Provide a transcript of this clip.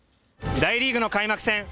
大リーグの開幕戦。